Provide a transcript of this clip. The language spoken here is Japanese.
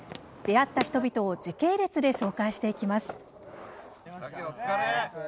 出会った人々を時系列で紹介していきます。